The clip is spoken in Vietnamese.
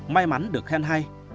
may mắn được khen hay